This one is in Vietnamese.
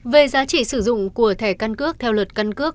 về giá trị sử dụng của thẻ căn cước theo luật căn cước